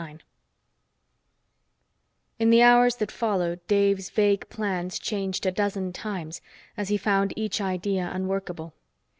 IX In the hours that followed, Dave's vague plans changed a dozen times as he found each idea unworkable.